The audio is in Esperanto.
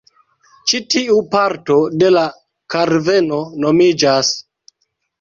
Ĉi tiu parto de la kaverno nomiĝas